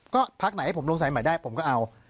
ก็พักไหนให้ผมลงสายใหม่ได้ผมก็เอา